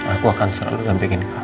aku akan selalu gampangin kamu